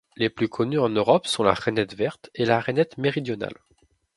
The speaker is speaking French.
Les plus connues en Europe sont la Rainette verte et la Rainette méridionale.